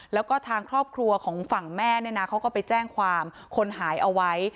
แล้วก็ทางครอบครัวของฝั่งแม่เนี่ยนะเขาก็ไปแจ้งความคนหายเอาไว้